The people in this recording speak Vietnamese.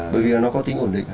bởi vì nó có tính ổn định